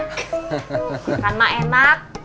makan mak enak